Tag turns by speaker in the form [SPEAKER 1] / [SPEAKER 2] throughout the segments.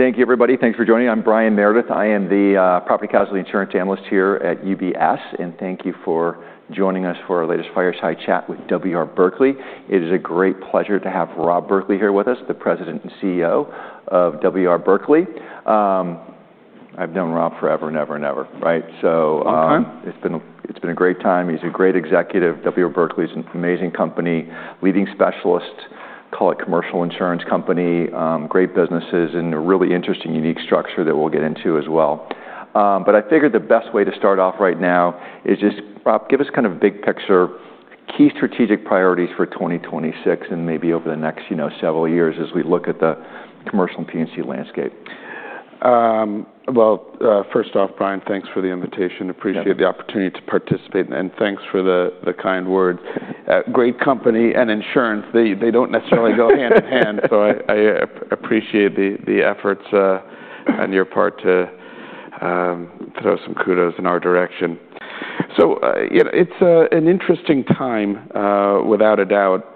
[SPEAKER 1] Thank you, everybody. Thanks for joining. I'm Brian Meredith. I am the Property Casualty Insurance Analyst here at UBS. And thank you for joining us for our latest fireside chat with W. R. Berkley. It is a great pleasure to have Rob Berkley here with us, the President and CEO of W. R. Berkley. I've known Rob forever, never, never, right? So,
[SPEAKER 2] Long time.
[SPEAKER 1] It's been a great time. He's a great executive. W. R. Berkley's an amazing company, leading specialist, call it commercial insurance company, great businesses, and a really interesting, unique structure that we'll get into as well. I figured the best way to start off right now is just, Rob, give us kind of a big picture, key strategic priorities for 2026 and maybe over the next, you know, several years as we look at the commercial P&C landscape.
[SPEAKER 2] Well, first off, Brian, thanks for the invitation. Appreciate the opportunity to participate. And thanks for the kind words. Great company and insurance. They don't necessarily go hand in hand. So I appreciate the efforts on your part to throw some kudos in our direction. So, you know, it's an interesting time, without a doubt,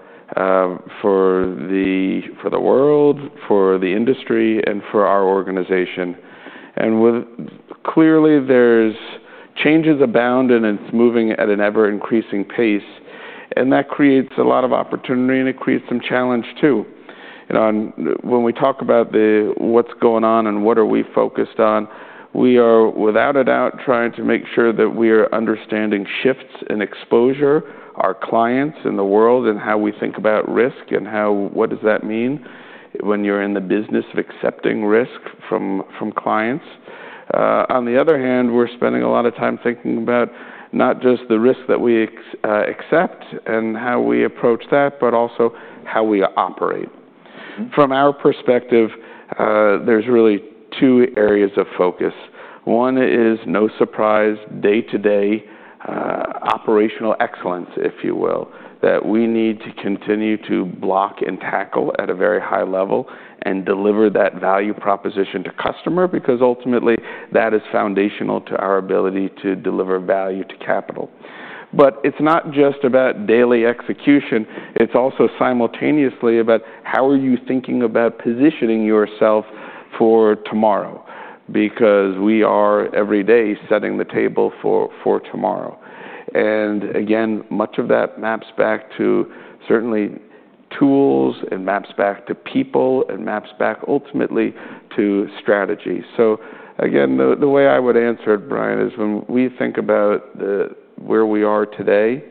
[SPEAKER 2] for the world, for the industry, and for our organization. And clearly, there's changes abound, and it's moving at an ever-increasing pace. And that creates a lot of opportunity, and it creates some challenge too. You know, when we talk about what's going on and what are we focused on, we are, without a doubt, trying to make sure that we are understanding shifts in exposure, our clients in the world, and how we think about risk and how what does that mean when you're in the business of accepting risk from, from clients. On the other hand, we're spending a lot of time thinking about not just the risk that we accept and how we approach that, but also how we operate. From our perspective, there's really two areas of focus. One is, no surprise, day-to-day, operational excellence, if you will, that we need to continue to block and tackle at a very high level and deliver that value proposition to customer because, ultimately, that is foundational to our ability to deliver value to capital. But it's not just about daily execution. It's also simultaneously about how are you thinking about positioning yourself for tomorrow because we are, every day, setting the table for, for tomorrow. And again, much of that maps back to, certainly, tools and maps back to people and maps back, ultimately, to strategy. So again, the, the way I would answer it, Brian, is when we think about the where we are today,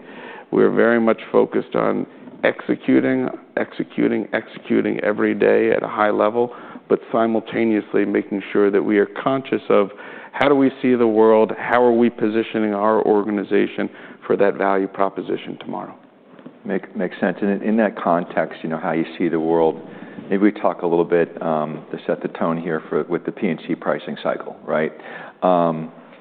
[SPEAKER 2] we're very much focused on executing, executing, executing every day at a high level, but simultaneously making sure that we are conscious of how do we see the world, how are we positioning our organization for that value proposition tomorrow.
[SPEAKER 1] Makes sense. And in that context, you know, how you see the world, maybe we talk a little bit to set the tone here for with the P&C pricing cycle, right?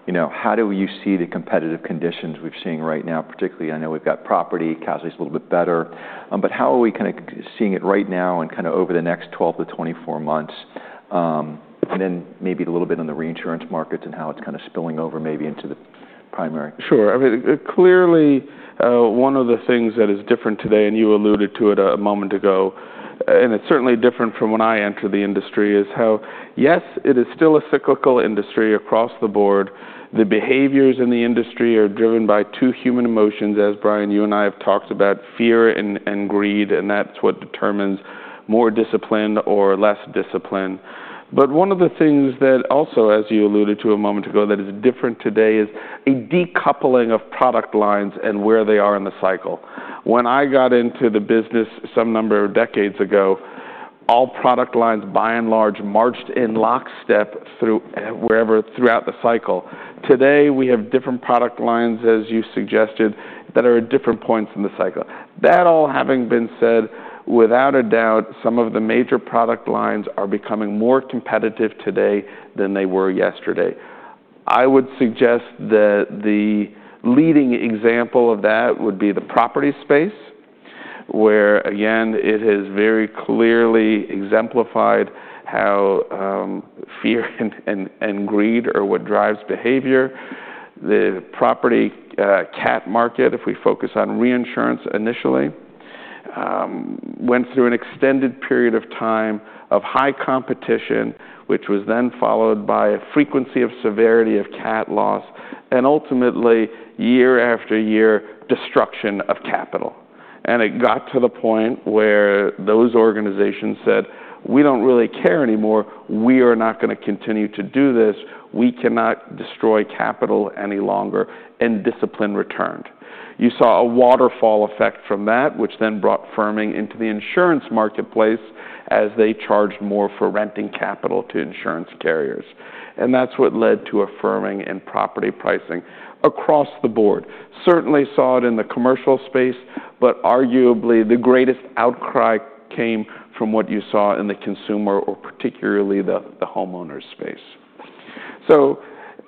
[SPEAKER 1] You know, how do you see the competitive conditions we're seeing right now? Particularly, I know we've got property. Casualty's a little bit better. But how are we kinda seeing it right now and kinda over the next 12-24 months? And then maybe a little bit on the reinsurance markets and how it's kinda spilling over maybe into the primary.
[SPEAKER 2] Sure. I mean, clearly, one of the things that is different today, and you alluded to it a moment ago, and it's certainly different from when I entered the industry is how, yes, it is still a cyclical industry across the board. The behaviors in the industry are driven by two human emotions, as Brian, you and I have talked about, fear and, and greed. And that's what determines more discipline or less discipline. But one of the things that also, as you alluded to a moment ago, that is different today is a decoupling of product lines and where they are in the cycle. When I got into the business some number of decades ago, all product lines, by and large, marched in lockstep through, wherever throughout the cycle. Today, we have different product lines, as you suggested, that are at different points in the cycle. That all having been said, without a doubt, some of the major product lines are becoming more competitive today than they were yesterday. I would suggest that the leading example of that would be the property space where, again, it has very clearly exemplified how fear and greed are what drives behavior. The property cat market, if we focus on reinsurance initially, went through an extended period of time of high competition, which was then followed by a frequency of severity of cat loss and, ultimately, year-after-year, destruction of capital. It got to the point where those organizations said, "We don't really care anymore. We are not gonna continue to do this. We cannot destroy capital any longer." Discipline returned. You saw a waterfall effect from that, which then brought firming into the insurance marketplace as they charged more for renting capital to insurance carriers. That's what led to firming in property pricing across the board. Certainly saw it in the commercial space, but arguably, the greatest outcry came from what you saw in the consumer or particularly the homeowner space.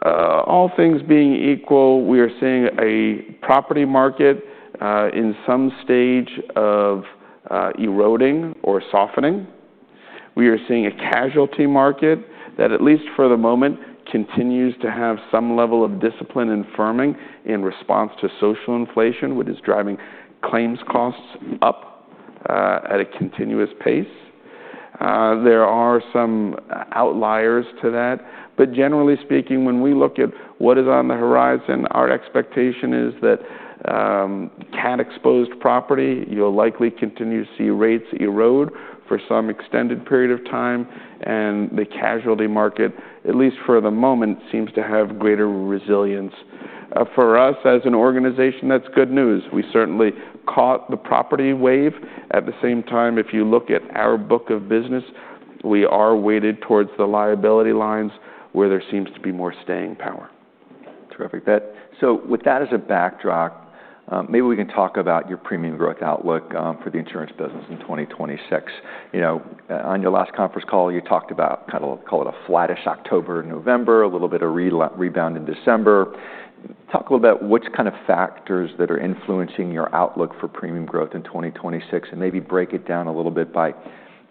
[SPEAKER 2] All things being equal, we are seeing a property market in some stage of eroding or softening. We are seeing a casualty market that, at least for the moment, continues to have some level of discipline and firming in response to social inflation, which is driving claims costs up at a continuous pace. There are some outliers to that. Generally speaking, when we look at what is on the horizon, our expectation is that cat-exposed property, you'll likely continue to see rates erode for some extended period of time. The casualty market, at least for the moment, seems to have greater resilience. For us as an organization, that's good news. We certainly caught the property wave. At the same time, if you look at our book of business, we are weighted towards the liability lines where there seems to be more staying power.
[SPEAKER 1] Terrific. But, so with that as a backdrop, maybe we can talk about your premium growth outlook for the insurance business in 2026. You know, on your last conference call, you talked about kinda call it a flattish October, November, a little bit of rebound in December. Talk a little bit about which kind of factors that are influencing your outlook for premium growth in 2026 and maybe break it down a little bit by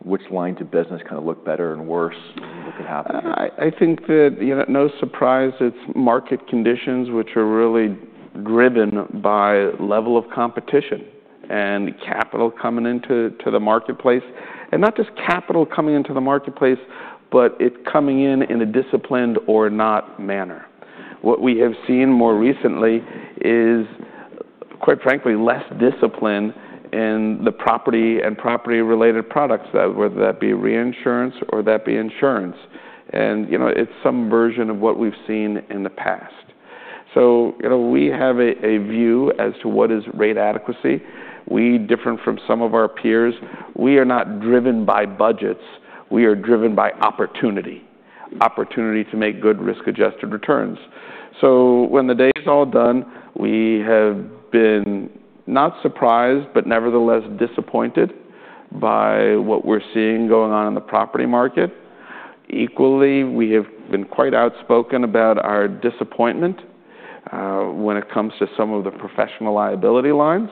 [SPEAKER 1] which lines of business kinda look better and worse and what could happen.
[SPEAKER 2] I think that, you know, no surprise, it's market conditions, which are really driven by level of competition and capital coming into the marketplace. And not just capital coming into the marketplace, but it coming in in a disciplined or not manner. What we have seen more recently is, quite frankly, less discipline in the property and property-related products, whether that be reinsurance or that be insurance. And, you know, it's some version of what we've seen in the past. So, you know, we have a view as to what is rate adequacy. We differ from some of our peers. We are not driven by budgets. We are driven by opportunity to make good risk-adjusted returns. So when the day's all done, we have been not surprised but nevertheless disappointed by what we're seeing going on in the property market. Equally, we have been quite outspoken about our disappointment, when it comes to some of the professional liability lines,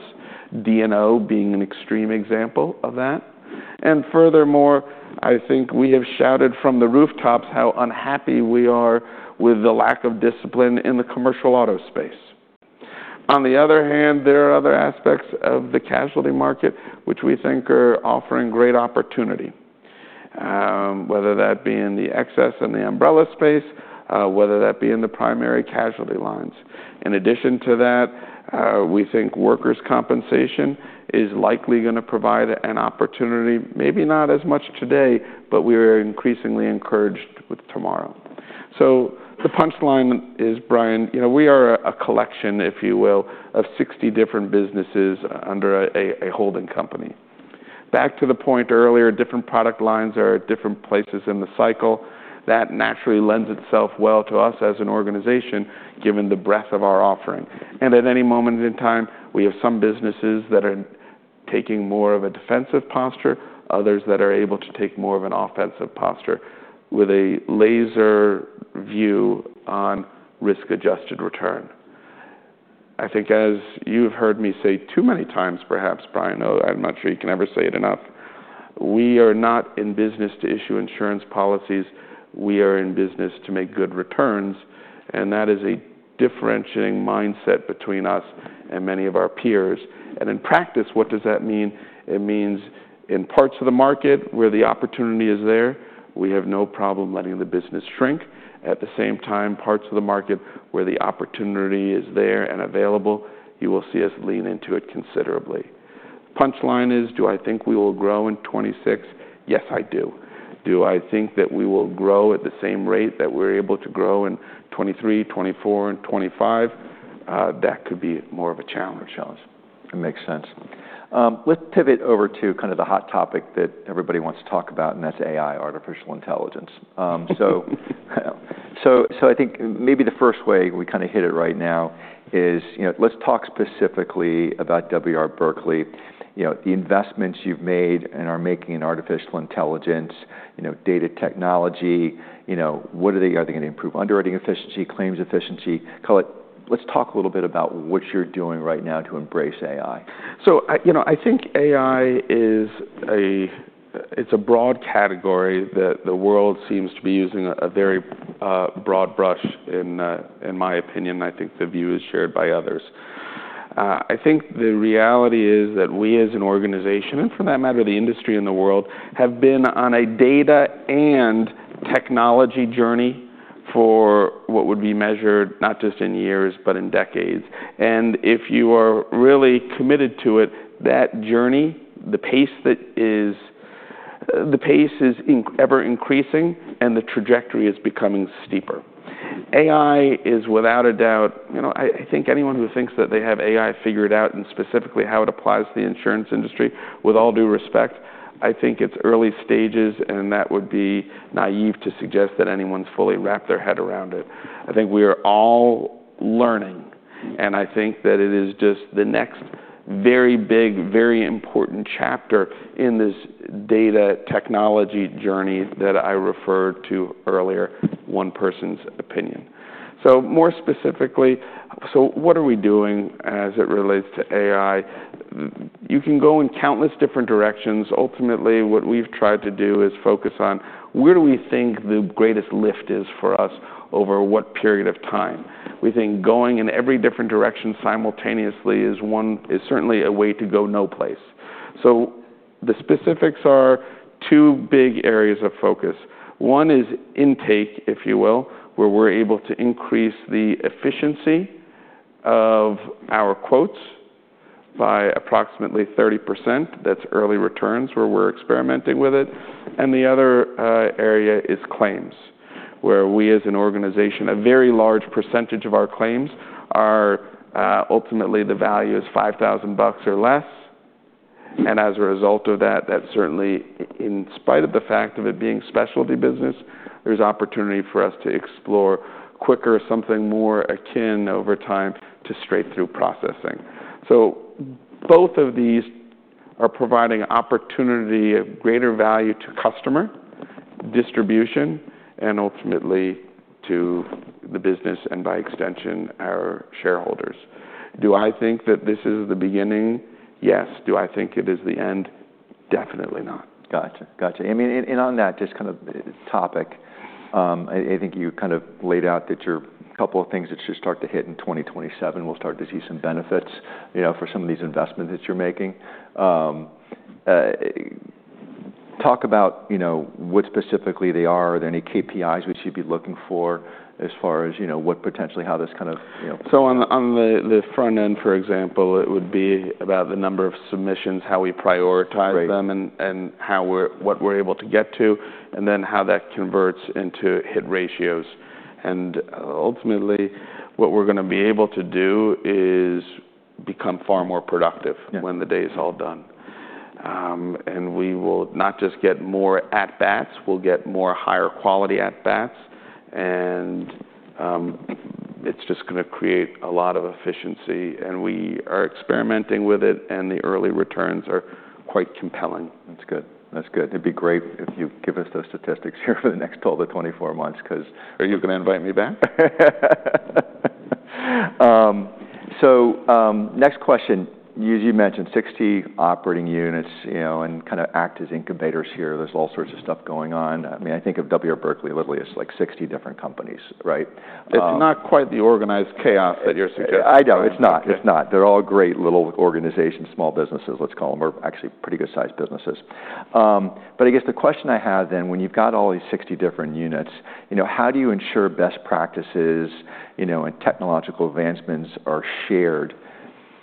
[SPEAKER 2] D&O being an extreme example of that. And furthermore, I think we have shouted from the rooftops how unhappy we are with the lack of discipline in the commercial auto space. On the other hand, there are other aspects of the casualty market, which we think are offering great opportunity, whether that be in the excess and the umbrella space, whether that be in the primary casualty lines. In addition to that, we think workers' compensation is likely gonna provide an opportunity, maybe not as much today, but we are increasingly encouraged with tomorrow. So the punchline is, Brian, you know, we are a collection, if you will, of 60 different businesses under a holding company. Back to the point earlier, different product lines are at different places in the cycle. That naturally lends itself well to us as an organization given the breadth of our offering. And at any moment in time, we have some businesses that are taking more of a defensive posture, others that are able to take more of an offensive posture with a laser view on risk-adjusted return. I think, as you've heard me say too many times, perhaps, Brian, though I'm not sure you can ever say it enough, we are not in business to issue insurance policies. We are in business to make good returns. And that is a differentiating mindset between us and many of our peers. And in practice, what does that mean? It means in parts of the market where the opportunity is there, we have no problem letting the business shrink. At the same time, parts of the market where the opportunity is there and available, you will see us lean into it considerably. Punchline is, do I think we will grow in 2026? Yes, I do. Do I think that we will grow at the same rate that we're able to grow in 2023, 2024, and 2025? That could be more of a challenge.
[SPEAKER 1] Challenge. That makes sense. Let's pivot over to kinda the hot topic that everybody wants to talk about, and that's AI, artificial intelligence. So, I think maybe the first way we kinda hit it right now is, you know, let's talk specifically about W. R. Berkley, you know, the investments you've made and are making in artificial intelligence, you know, data technology. You know, what are they? Are they gonna improve? Underwriting efficiency, claims efficiency. Call it. Let's talk a little bit about what you're doing right now to embrace AI.
[SPEAKER 2] So, you know, I think AI is a, it's a broad category that the world seems to be using a very broad brush, in my opinion. I think the view is shared by others. I think the reality is that we, as an organization and for that matter, the industry and the world, have been on a data and technology journey for what would be measured not just in years but in decades. And if you are really committed to it, that journey, the pace is ever-increasing, and the trajectory is becoming steeper. AI is, without a doubt you know, I, I think anyone who thinks that they have AI figured out and specifically how it applies to the insurance industry, with all due respect, I think it's early stages, and that would be naive to suggest that anyone's fully wrapped their head around it. I think we are all learning. I think that it is just the next very big, very important chapter in this data technology journey that I referred to earlier, one person's opinion. So more specifically, so what are we doing as it relates to AI? You can go in countless different directions. Ultimately, what we've tried to do is focus on where do we think the greatest lift is for us over what period of time? We think going in every different direction simultaneously is one certainly a way to go nowhere. So the specifics are two big areas of focus. One is intake, if you will, where we're able to increase the efficiency of our quotes by approximately 30%. That's early returns where we're experimenting with it. And the other area is claims where we, as an organization, a very large percentage of our claims are, ultimately, the value is $5,000 or less. And as a result of that, that certainly, in spite of the fact of it being specialty business, there's opportunity for us to explore quicker something more akin over time to straight-through processing. So both of these are providing opportunity of greater value to customer, distribution, and ultimately to the business and, by extension, our shareholders. Do I think that this is the beginning? Yes. Do I think it is the end? Definitely not.
[SPEAKER 1] Gotcha. Gotcha. I mean, and on that just kind of topic, I think you kind of laid out that you're a couple of things that should start to hit in 2027. We'll start to see some benefits, you know, for some of these investments that you're making. Talk about, you know, what specifically they are. Are there any KPIs we should be looking for as far as, you know, what potentially how this kind of, you know.
[SPEAKER 2] So on the front end, for example, it would be about the number of submissions, how we prioritize them.
[SPEAKER 1] Right.
[SPEAKER 2] how we're, what we're able to get to, and then how that converts into hit ratios. Ultimately, what we're gonna be able to do is become far more productive.
[SPEAKER 1] Yeah.
[SPEAKER 2] When the day's all done and we will not just get more at-bats. We'll get more higher-quality at-bats. And, it's just gonna create a lot of efficiency. And we are experimenting with it, and the early returns are quite compelling.
[SPEAKER 1] That's good. That's good. It'd be great if you give us those statistics here for the next 12-24 months 'cause.
[SPEAKER 2] Are you gonna invite me back?
[SPEAKER 1] Next question. You mentioned 60 operating units, you know, and kinda act as incubators here. There's all sorts of stuff going on. I mean, I think of W. R. Berkley, literally, it's like 60 different companies, right?
[SPEAKER 2] It's not quite the organized chaos that you're suggesting.
[SPEAKER 1] I know. It's not. It's not. They're all great little organizations, small businesses, let's call them. Or actually, pretty good-sized businesses. But I guess the question I have then, when you've got all these 60 different units, you know, how do you ensure best practices, you know, and technological advancements are shared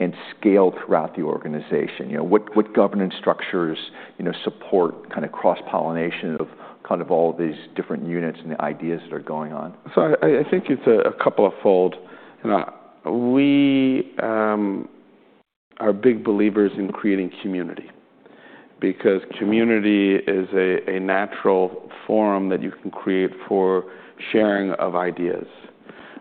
[SPEAKER 1] and scaled throughout the organization? You know, what, what governance structures, you know, support kinda cross-pollination of kind of all of these different units and the ideas that are going on?
[SPEAKER 2] So I think it's a couple of fold. You know, we are big believers in creating community because community is a natural forum that you can create for sharing of ideas.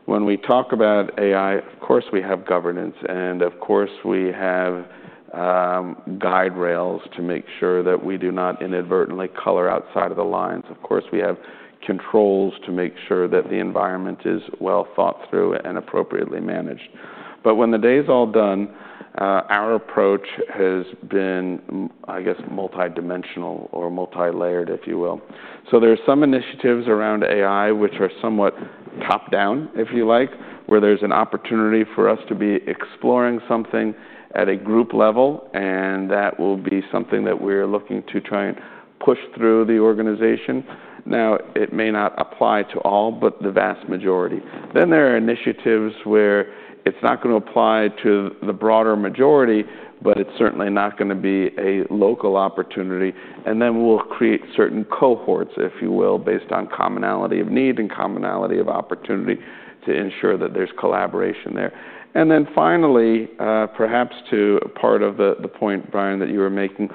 [SPEAKER 2] When we talk about AI, of course, we have governance. And of course, we have guide rails to make sure that we do not inadvertently color outside of the lines. Of course, we have controls to make sure that the environment is well thought through and appropriately managed. But when the day's all done, our approach has been, I guess, multidimensional or multilayered, if you will. So there are some initiatives around AI which are somewhat top-down, if you like, where there's an opportunity for us to be exploring something at a group level, and that will be something that we're looking to try and push through the organization. Now, it may not apply to all but the vast majority. Then there are initiatives where it's not gonna apply to the broader majority, but it's certainly not gonna be a local opportunity. And then we'll create certain cohorts, if you will, based on commonality of need and commonality of opportunity to ensure that there's collaboration there. And then finally, perhaps to part of the, the point, Brian, that you were making,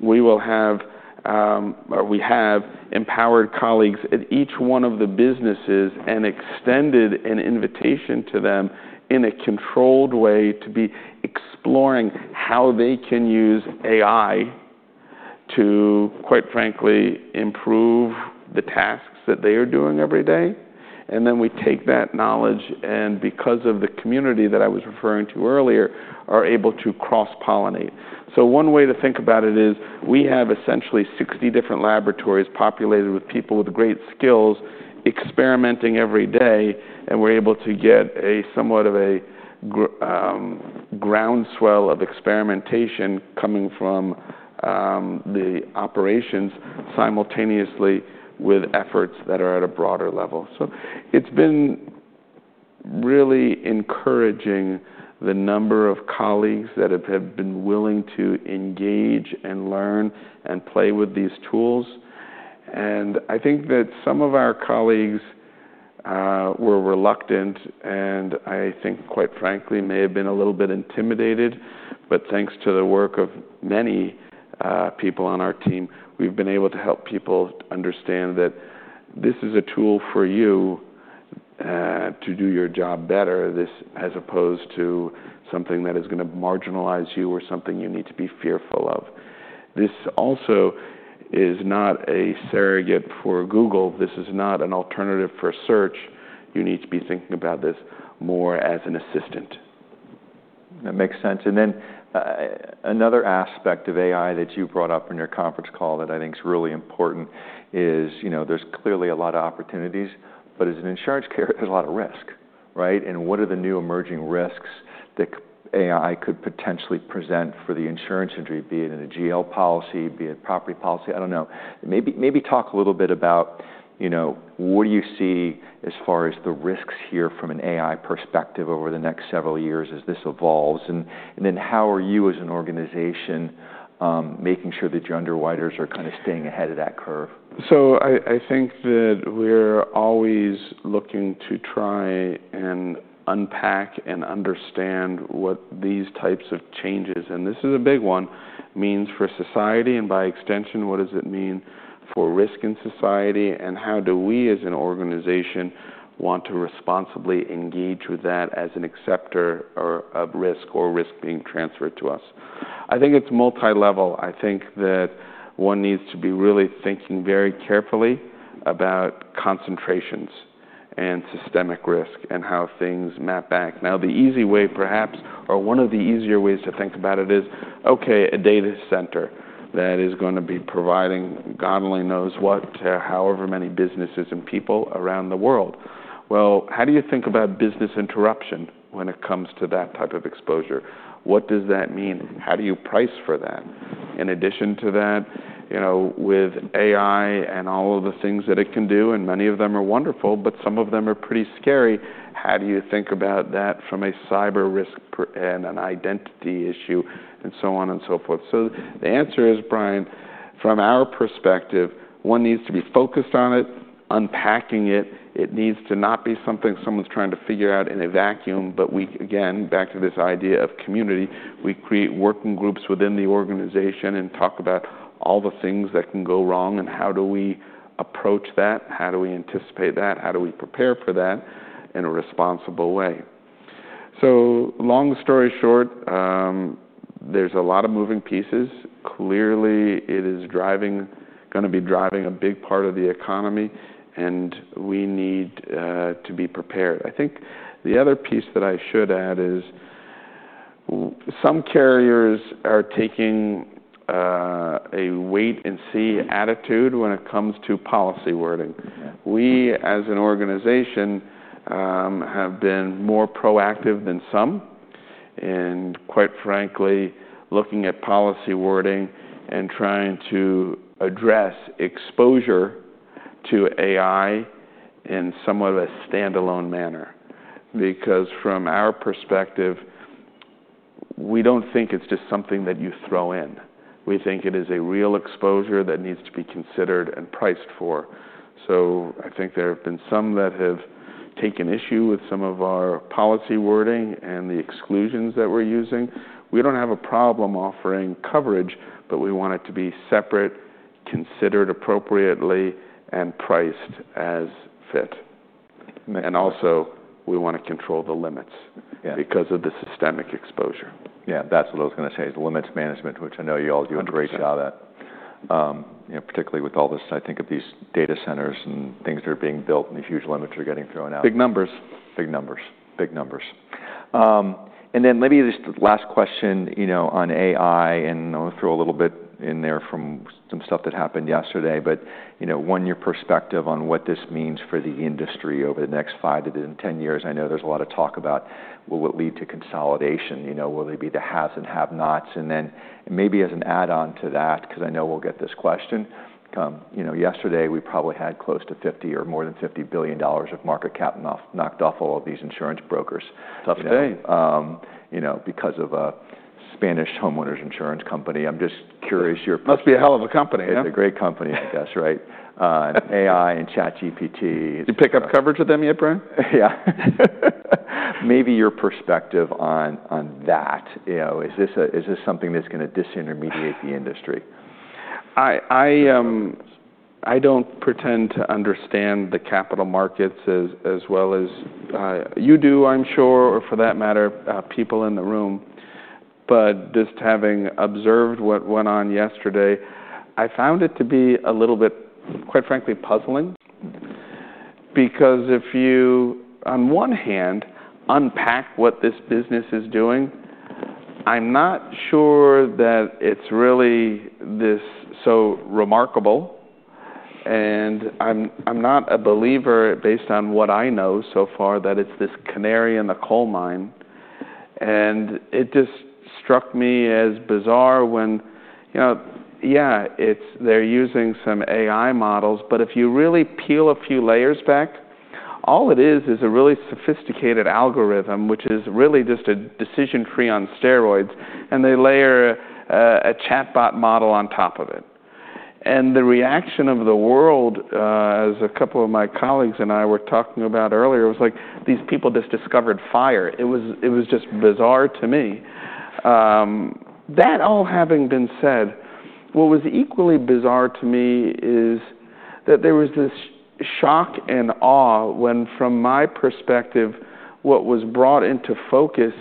[SPEAKER 2] we will have, or we have empowered colleagues at each one of the businesses an extended invitation to them in a controlled way to be exploring how they can use AI to, quite frankly, improve the tasks that they are doing every day. And then we take that knowledge and, because of the community that I was referring to earlier, are able to cross-pollinate. So one way to think about it is we have essentially 60 different laboratories populated with people with great skills experimenting every day, and we're able to get somewhat of a groundswell of experimentation coming from the operations simultaneously with efforts that are at a broader level. So it's been really encouraging the number of colleagues that have had been willing to engage and learn and play with these tools. And I think that some of our colleagues were reluctant and I think, quite frankly, may have been a little bit intimidated. But thanks to the work of many people on our team, we've been able to help people understand that this is a tool for you to do your job better, this as opposed to something that is gonna marginalize you or something you need to be fearful of. This also is not a surrogate for Google. This is not an alternative for search. You need to be thinking about this more as an assistant.
[SPEAKER 1] That makes sense. And then, another aspect of AI that you brought up in your conference call that I think is really important is, you know, there's clearly a lot of opportunities, but as an insurance carrier, there's a lot of risk, right? And what are the new emerging risks that AI could potentially present for the insurance industry, be it in a GL policy, be it property policy? I don't know. Maybe, maybe talk a little bit about, you know, what do you see as far as the risks here from an AI perspective over the next several years as this evolves? And, and then how are you, as an organization, making sure that your underwriters are kinda staying ahead of that curve?
[SPEAKER 2] So I, I think that we're always looking to try and unpack and understand what these types of changes - and this is a big one - means for society. And by extension, what does it mean for risk in society, and how do we, as an organization, want to responsibly engage with that as an acceptor, of risk or risk being transferred to us? I think it's multilevel. I think that one needs to be really thinking very carefully about concentrations and systemic risk and how things map back. Now, the easy way, perhaps, or one of the easier ways to think about it is, okay, a data center that is gonna be providing God only knows what to however many businesses and people around the world. Well, how do you think about business interruption when it comes to that type of exposure? What does that mean? How do you price for that? In addition to that, you know, with AI and all of the things that it can do - and many of them are wonderful, but some of them are pretty scary - how do you think about that from a cyber risk perspective and an identity issue and so on and so forth? So the answer is, Brian, from our perspective, one needs to be focused on it, unpacking it. It needs to not be something someone's trying to figure out in a vacuum. But we, again, back to this idea of community, we create working groups within the organization and talk about all the things that can go wrong and how do we approach that, how do we anticipate that, how do we prepare for that in a responsible way. So long story short, there's a lot of moving pieces. Clearly, it is gonna be driving a big part of the economy, and we need to be prepared. I think the other piece that I should add is some carriers are taking a wait-and-see attitude when it comes to policy wording. We, as an organization, have been more proactive than some in, quite frankly, looking at policy wording and trying to address exposure to AI in somewhat of a standalone manner because, from our perspective, we don't think it's just something that you throw in. We think it is a real exposure that needs to be considered and priced for. So I think there have been some that have taken issue with some of our policy wording and the exclusions that we're using. We don't have a problem offering coverage, but we want it to be separate, considered appropriately, and priced as fit. Also, we wanna control the limits.
[SPEAKER 1] Yeah.
[SPEAKER 2] Because of the systemic exposure.
[SPEAKER 1] Yeah. That's what I was gonna say, is limits management, which I know you all do a great job at.
[SPEAKER 2] That's true.
[SPEAKER 1] You know, particularly with all this, I think, of these data centers and things that are being built and the huge limits you're getting thrown out.
[SPEAKER 2] Big numbers.
[SPEAKER 1] Big numbers. Big numbers. And then maybe just the last question, you know, on AI. And I'll throw a little bit in there from some stuff that happened yesterday. But, you know, one-year perspective on what this means for the industry over the next 5-10 years. I know there's a lot of talk about, will it lead to consolidation? You know, will there be the haves and have-nots? And then maybe as an add-on to that 'cause I know we'll get this question, you know, yesterday, we probably had close to 50 or more than $50 billion of market cap knocked off all of these insurance brokers.
[SPEAKER 2] Tough day.
[SPEAKER 1] You know, you know, because of a Spanish homeowners insurance company. I'm just curious your.
[SPEAKER 2] Must be a hell of a company, huh?
[SPEAKER 1] It's a great company, I guess, right? And AI and ChatGPT.
[SPEAKER 2] You pick up coverage with them yet, Brian?
[SPEAKER 1] Yeah. Maybe your perspective on that, you know, is this something that's gonna disintermediate the industry?
[SPEAKER 2] I don't pretend to understand the capital markets as well as you do, I'm sure, or for that matter, people in the room. But just having observed what went on yesterday, I found it to be a little bit, quite frankly, puzzling because if you, on one hand, unpack what this business is doing, I'm not sure that it's really this so remarkable. And I'm not a believer based on what I know so far that it's this canary in the coal mine. And it just struck me as bizarre when, you know, yeah, it's they're using some AI models. But if you really peel a few layers back, all it is is a really sophisticated algorithm which is really just a decision tree on steroids, and they layer a chatbot model on top of it. The reaction of the world, as a couple of my colleagues and I were talking about earlier, it was like, these people just discovered fire. It was just bizarre to me. That all having been said, what was equally bizarre to me is that there was this shock and awe when, from my perspective, what was brought into focus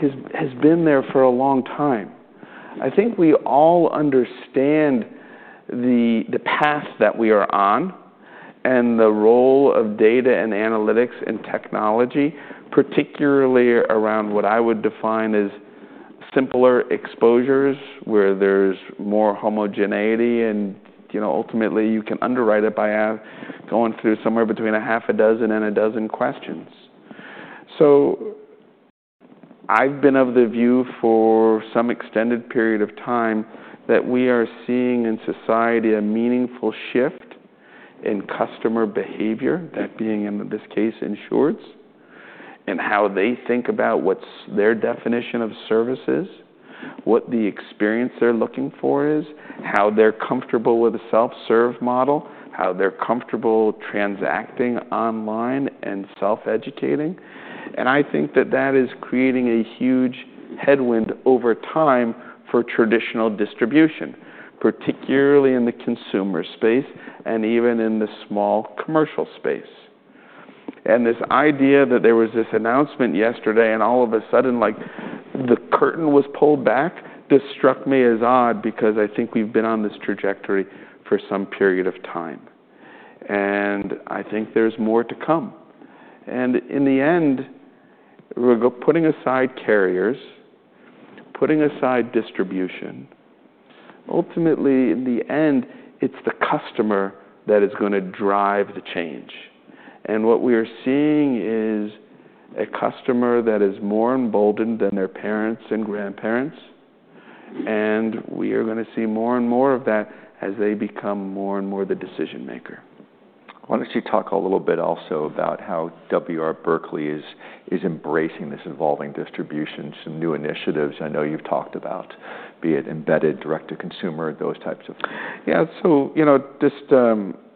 [SPEAKER 2] has been there for a long time. I think we all understand the path that we are on and the role of data and analytics and technology, particularly around what I would define as simpler exposures where there's more homogeneity and, you know, ultimately, you can underwrite it by going through somewhere between 6 and 12 questions. So I've been of the view for some extended period of time that we are seeing in society a meaningful shift in customer behavior, that being, in this case, insureds, and how they think about what their definition of service is, what the experience they're looking for is, how they're comfortable with a self-serve model, how they're comfortable transacting online and self-educating. And I think that that is creating a huge headwind over time for traditional distribution, particularly in the consumer space and even in the small commercial space. And this idea that there was this announcement yesterday, and all of a sudden, like, the curtain was pulled back, just struck me as odd because I think we've been on this trajectory for some period of time. And I think there's more to come. And in the end, we're putting aside carriers, putting aside distribution. Ultimately, in the end, it's the customer that is gonna drive the change. What we are seeing is a customer that is more emboldened than their parents and grandparents. We are gonna see more and more of that as they become more and more the decision maker.
[SPEAKER 1] Why don't you talk a little bit also about how W. R. Berkley is embracing this evolving distribution, some new initiatives I know you've talked about, be it embedded, direct-to-consumer, those types of things?
[SPEAKER 2] Yeah. So, you know, just,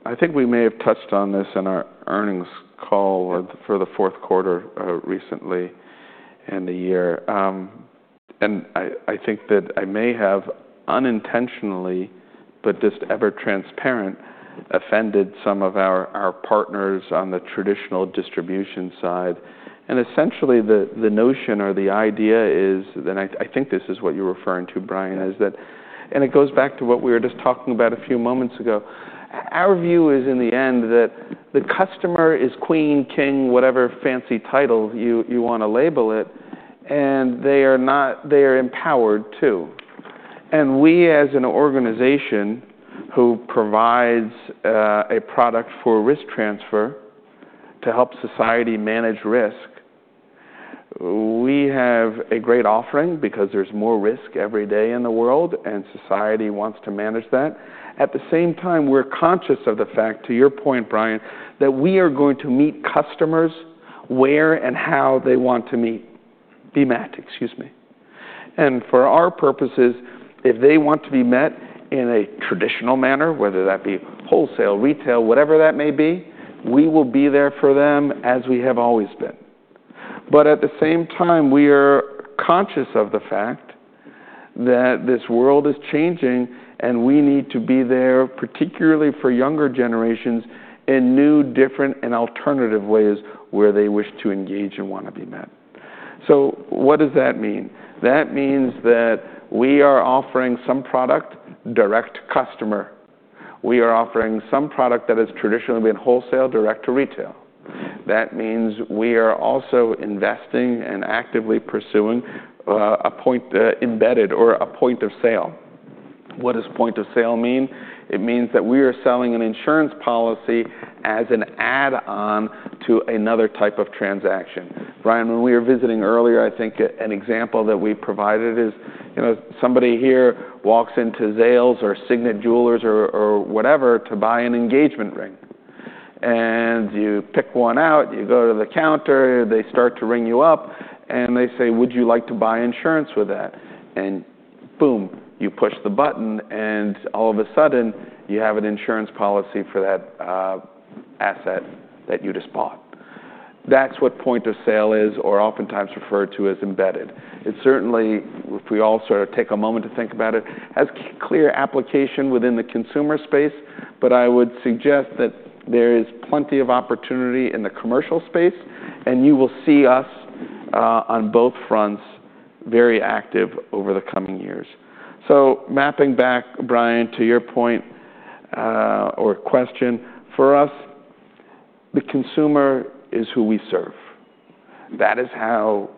[SPEAKER 2] I think we may have touched on this in our earnings call for the fourth quarter, recently in the year. And I think that I may have unintentionally but just ever transparent offended some of our, our partners on the traditional distribution side. And essentially, the, the notion or the idea is that and I, I think this is what you're referring to, Brian, is that and it goes back to what we were just talking about a few moments ago. Our view is, in the end, that the customer is queen, king, whatever fancy title you, you wanna label it, and they are empowered too. We, as an organization who provides a product for risk transfer to help society manage risk, we have a great offering because there's more risk every day in the world, and society wants to manage that. At the same time, we're conscious of the fact, to your point, Brian, that we are going to meet customers where and how they want to meet be met, excuse me. And for our purposes, if they want to be met in a traditional manner, whether that be wholesale, retail, whatever that may be, we will be there for them as we have always been. But at the same time, we are conscious of the fact that this world is changing, and we need to be there, particularly for younger generations, in new, different, and alternative ways where they wish to engage and wanna be met. So what does that mean? That means that we are offering some product direct-to-customer. We are offering some product that has traditionally been wholesale, direct-to-retail. That means we are also investing and actively pursuing a point embedded or a point of sale. What does point of sale mean? It means that we are selling an insurance policy as an add-on to another type of transaction. Brian, when we were visiting earlier, I think an example that we provided is, you know, somebody here walks into Zales or Signet Jewelers or whatever to buy an engagement ring. You pick one out, you go to the counter, they start to ring you up, and they say, "Would you like to buy insurance with that?" And boom, you push the button, and all of a sudden, you have an insurance policy for that asset that you just bought. That's what point of sale is or oftentimes referred to as embedded. It certainly, if we all sort of take a moment to think about it, has clear application within the consumer space. But I would suggest that there is plenty of opportunity in the commercial space, and you will see us, on both fronts very active over the coming years. So mapping back, Brian, to your point, or question, for us, the consumer is who we serve. That is how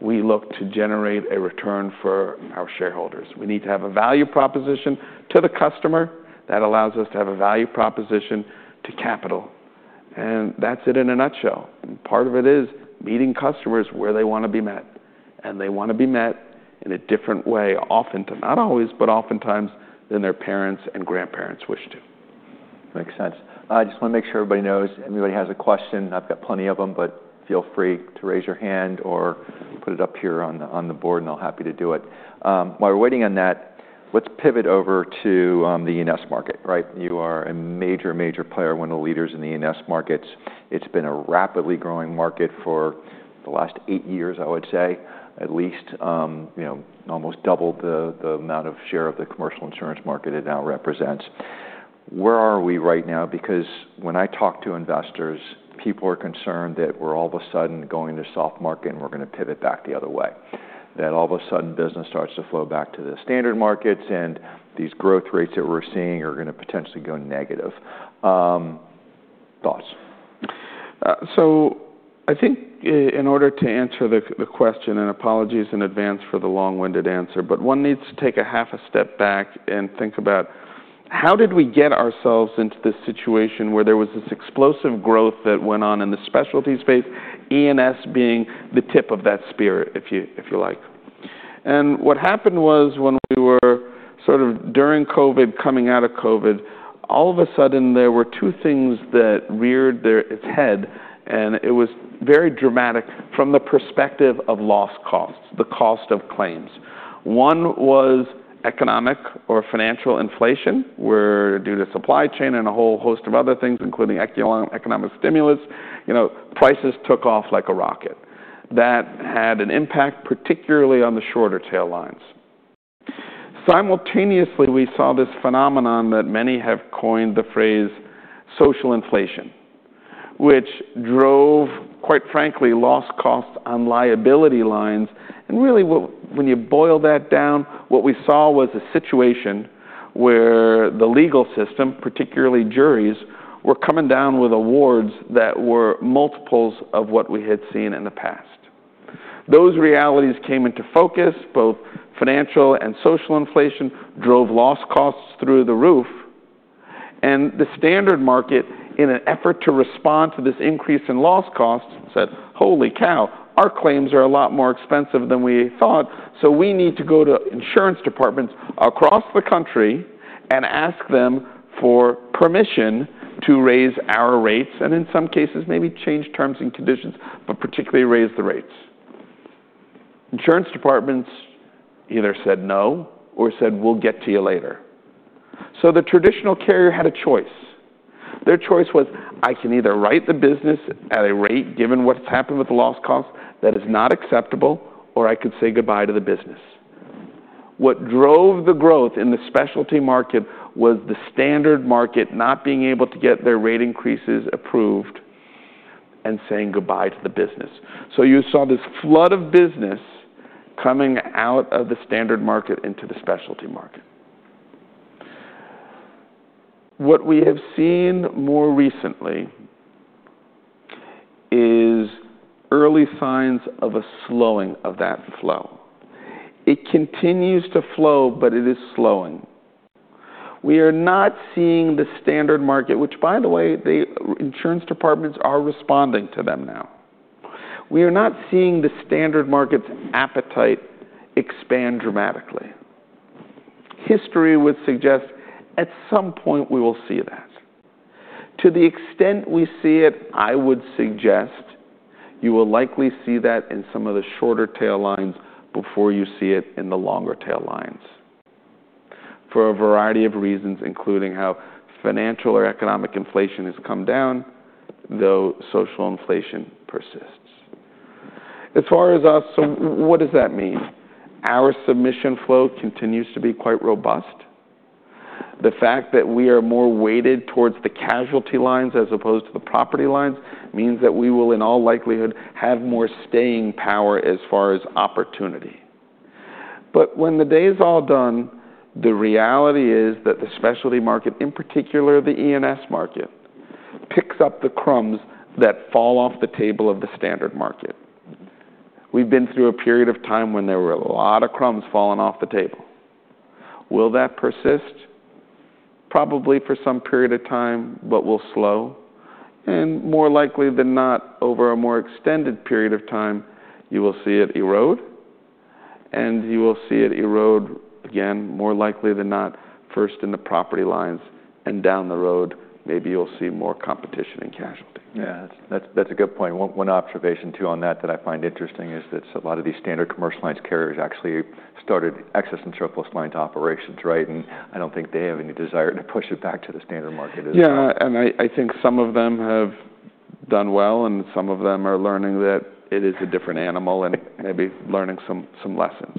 [SPEAKER 2] we look to generate a return for our shareholders. We need to have a value proposition to the customer. That allows us to have a value proposition to capital. And that's it in a nutshell. Part of it is meeting customers where they wanna be met. And they wanna be met in a different way, often to not always, but oftentimes than their parents and grandparents wish to.
[SPEAKER 1] Makes sense. I just wanna make sure everybody knows. Anybody has a question? I've got plenty of them, but feel free to raise your hand or put it up here on the board, and I'll happy to do it. While we're waiting on that, let's pivot over to the E&S market, right? You are a major, major player, one of the leaders in the E&S markets. It's been a rapidly growing market for the last 8 years, I would say, at least, you know, almost double the, the amount of share of the commercial insurance market it now represents. Where are we right now? Because when I talk to investors, people are concerned that we're all of a sudden going into soft market, and we're gonna pivot back the other way, that all of a sudden, business starts to flow back to the standard markets, and these growth rates that we're seeing are gonna potentially go negative. Thoughts?
[SPEAKER 2] So I think, in order to answer the question, and apologies in advance for the long-winded answer, but one needs to take a half a step back and think about how did we get ourselves into this situation where there was this explosive growth that went on in the specialty space, E&S being the tip of that spear, if you like. And what happened was when we were sort of during COVID, coming out of COVID, all of a sudden, there were two things that reared its head, and it was very dramatic from the perspective of loss costs, the cost of claims. One was economic or financial inflation where, due to supply chain and a whole host of other things, including economic stimulus, you know, prices took off like a rocket. That had an impact, particularly on the short-tail lines. Simultaneously, we saw this phenomenon that many have coined the phrase social inflation, which drove, quite frankly, loss costs on liability lines. Really, when you boil that down, what we saw was a situation where the legal system, particularly juries, were coming down with awards that were multiples of what we had seen in the past. Those realities came into focus. Both financial and social inflation drove loss costs through the roof. The standard market, in an effort to respond to this increase in loss costs, said, "Holy cow. Our claims are a lot more expensive than we thought. So we need to go to insurance departments across the country and ask them for permission to raise our rates and, in some cases, maybe change terms and conditions, but particularly raise the rates." Insurance departments either said no or said, "We'll get to you later." So the traditional carrier had a choice. Their choice was, "I can either write the business at a rate given what's happened with the loss costs that is not acceptable, or I could say goodbye to the business." What drove the growth in the specialty market was the standard market not being able to get their rate increases approved and saying goodbye to the business. So you saw this flood of business coming out of the standard market into the specialty market. What we have seen more recently is early signs of a slowing of that flow. It continues to flow, but it is slowing. We are not seeing the standard market, which, by the way, the insurance departments are responding to them now. We are not seeing the standard market's appetite expand dramatically. History would suggest at some point, we will see that. To the extent we see it, I would suggest you will likely see that in some of the shorter tail lines before you see it in the longer tail lines for a variety of reasons, including how financial or economic inflation has come down, though social inflation persists. As far as us, so what does that mean? Our submission flow continues to be quite robust. The fact that we are more weighted towards the casualty lines as opposed to the property lines means that we will, in all likelihood, have more staying power as far as opportunity. But when the day is all done, the reality is that the specialty market, in particular the E&S market, picks up the crumbs that fall off the table of the standard market. We've been through a period of time when there were a lot of crumbs falling off the table. Will that persist? Probably for some period of time, but will slow. More likely than not, over a more extended period of time, you will see it erode. You will see it erode again, more likely than not, first in the property lines, and down the road, maybe you'll see more competition and casualty.
[SPEAKER 1] Yeah. That's a good point. One observation too on that that I find interesting is that a lot of these standard commercial lines carriers actually started excess and surplus lines operations, right? And I don't think they have any desire to push it back to the standard market as well.
[SPEAKER 2] Yeah. And I think some of them have done well, and some of them are learning that it is a different animal and maybe learning some lessons.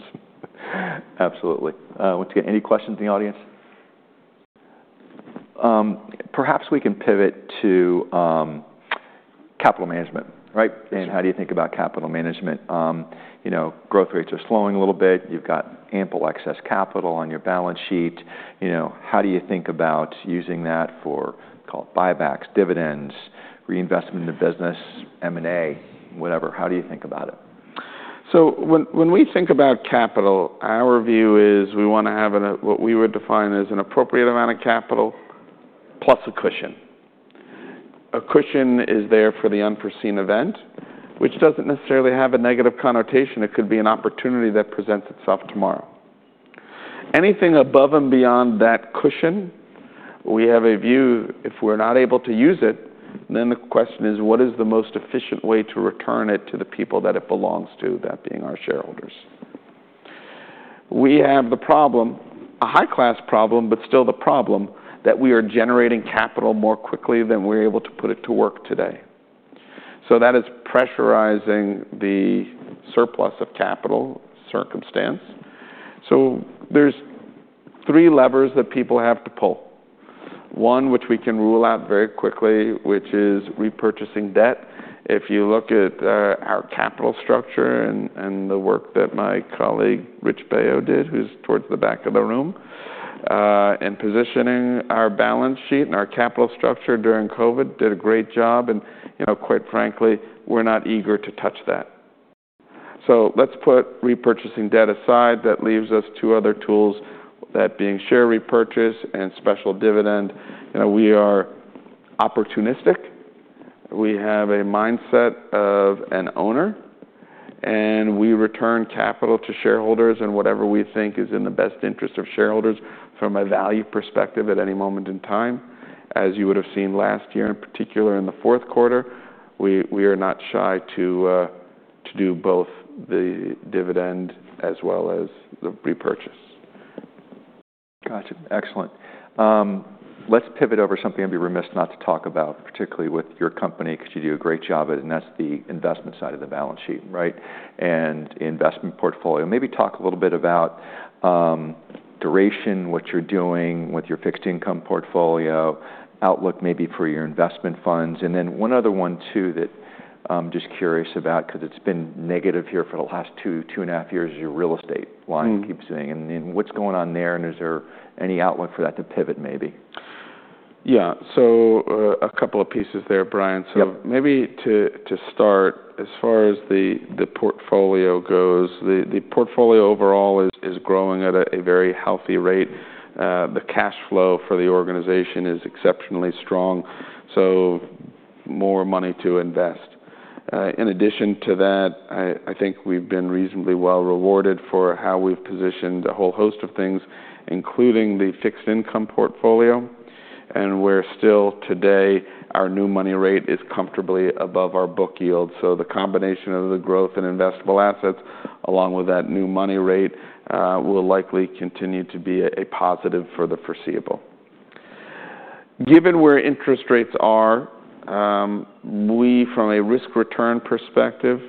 [SPEAKER 1] Absolutely. Once again, any questions in the audience? Perhaps we can pivot to capital management, right? How do you think about capital management? You know, growth rates are slowing a little bit. You've got ample excess capital on your balance sheet. You know, how do you think about using that for, call it, buybacks, dividends, reinvestment in the business, M&A, whatever? How do you think about it?
[SPEAKER 2] So when we think about capital, our view is we wanna have what we would define as an appropriate amount of capital plus a cushion. A cushion is there for the unforeseen event, which doesn't necessarily have a negative connotation. It could be an opportunity that presents itself tomorrow. Anything above and beyond that cushion, we have a view if we're not able to use it, then the question is, what is the most efficient way to return it to the people that it belongs to, that being our shareholders? We have the problem, a high-class problem, but still the problem that we are generating capital more quickly than we're able to put it to work today. So that is pressurizing the surplus of capital circumstance. So there's three levers that people have to pull. One, which we can rule out very quickly, which is repurchasing debt. If you look at our capital structure and the work that my colleague, Rich Baio, did, who's towards the back of the room, in positioning our balance sheet and our capital structure during COVID, did a great job. You know, quite frankly, we're not eager to touch that. So let's put repurchasing debt aside. That leaves us two other tools, that being share repurchase and special dividend. You know, we are opportunistic. We have a mindset of an owner, and we return capital to shareholders in whatever we think is in the best interest of shareholders from a value perspective at any moment in time. As you would have seen last year, in particular in the fourth quarter, we are not shy to do both the dividend as well as the repurchase.
[SPEAKER 1] Gotcha. Excellent. Let's pivot over something I'd be remiss not to talk about, particularly with your company 'cause you do a great job at it, and that's the investment side of the balance sheet, right, and investment portfolio. Maybe talk a little bit about duration, what you're doing with your fixed income portfolio, outlook maybe for your investment funds. And then one other one too that, just curious about 'cause it's been negative here for the last 2, 2.5 years is your real estate line, keeps saying. And what's going on there, and is there any outlook for that to pivot maybe?
[SPEAKER 2] Yeah. So, a couple of pieces there, Brian. So maybe to start, as far as the portfolio goes, the portfolio overall is growing at a very healthy rate. The cash flow for the organization is exceptionally strong, so more money to invest. In addition to that, I think we've been reasonably well rewarded for how we've positioned a whole host of things, including the fixed income portfolio. And we're still today, our new money rate is comfortably above our book yield. So the combination of the growth and investable assets, along with that new money rate, will likely continue to be a positive for the foreseeable. Given where interest rates are, we, from a risk-return perspective,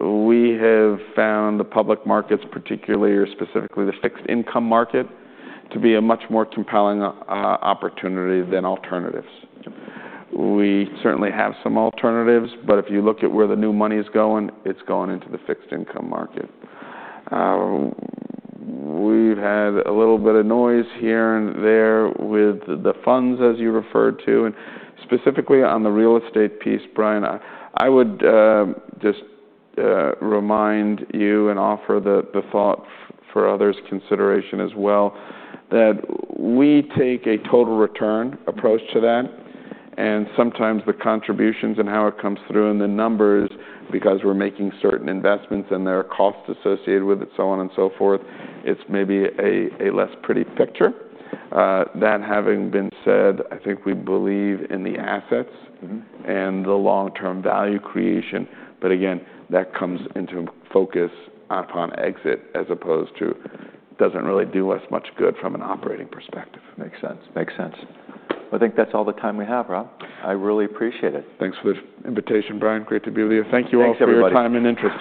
[SPEAKER 2] we have found the public markets, particularly or specifically the fixed income market, to be a much more compelling opportunity than alternatives. We certainly have some alternatives, but if you look at where the new money's going, it's going into the fixed income market. We've had a little bit of noise here and there with the funds, as you referred to. Specifically on the real estate piece, Brian, I would just remind you and offer the thought for others' consideration as well that we take a total return approach to that. Sometimes the contributions and how it comes through and the numbers, because we're making certain investments and there are costs associated with it, so on and so forth, it's maybe a less pretty picture. That having been said, I think we believe in the assets and the long-term value creation. Again, that comes into focus upon exit as opposed to doesn't really do us much good from an operating perspective.
[SPEAKER 1] Makes sense. Makes sense. Well, I think that's all the time we have, Rob. I really appreciate it.
[SPEAKER 2] Thanks for the invitation, Brian. Great to be with you. Thank you all for your time and interest.